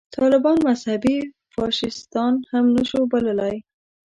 طالبان مذهبي فاشیستان هم نه شو بللای.